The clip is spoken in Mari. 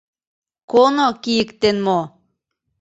— Коно кийыктен мо?